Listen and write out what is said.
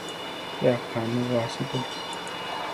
Pe aká newáa asítoli.